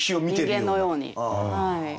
人間のように。